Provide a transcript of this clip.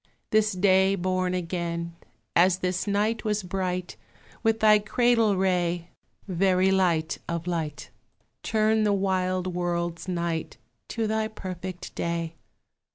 This day born again; As this night was bright With thy cradle ray, Very light of light, Turn the wild world's night To thy perfect day.